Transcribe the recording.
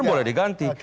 dan boleh diganti